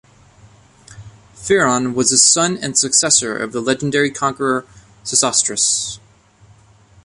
Pheron was the son and successor of the legendary conqueror Sesostris.